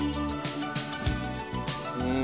うん。